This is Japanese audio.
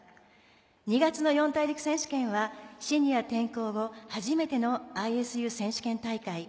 ２月の四大陸選手権はシニア転向後初めてのＩＳＵ選手権大会。